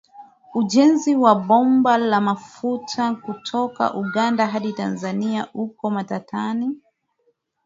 Ujenzi wa bomba la mafuta kutoka Uganda hadi Tanzania upo matatani